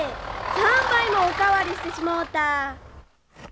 ３杯もおかわりしてしもうた。